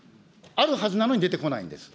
あるはずなのに出てこないんです。